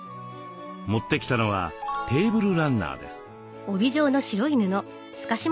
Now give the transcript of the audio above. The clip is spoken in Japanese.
持ってきたのはテーブルランナーです。